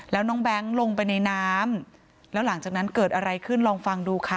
แล้วน้องแบงค์ลงไปในน้ำแล้วหลังจากนั้นเกิดอะไรขึ้นลองฟังดูค่ะ